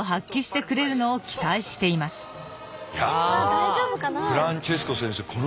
大丈夫かな？